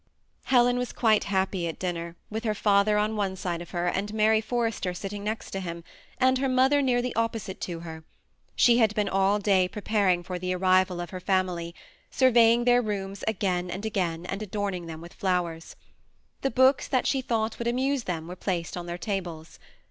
Helen was quite happj at dinner, with her father on one side of her, and Mary Forrester sitting next to him, and her mother nearly opposite to her. She had been all day preparing for the arrival of her family. Sur Yejing their rooms again and again, and adorning them with fiowers. The books that she thought would amuse them were placed on their tables.